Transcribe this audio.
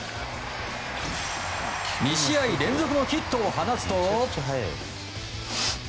２試合連続のヒットを放つと。